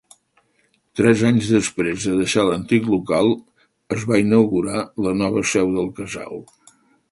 Tres anys després de deixar l'antic local, es va inaugurar la nova seu del Casal.